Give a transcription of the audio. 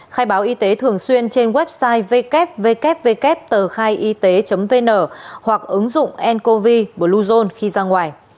khai báo y tế thường xuyên trên website www tờkhaiyt vn hoặc ứng dụng ncovi bluezone khi ra ngoài